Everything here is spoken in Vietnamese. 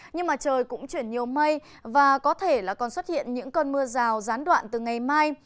nhưng mà trời cũng chuyển nhiều mây và có thể là còn xuất hiện những cơn mưa rào gián đoạn từ ngày mai